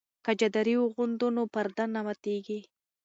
که چادري واغوندو نو پرده نه ماتیږي.